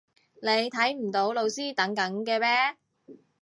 你睇唔到老師等緊嘅咩？